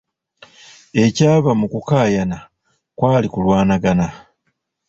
Ekyava mu kukaayana kwali kulwanagana.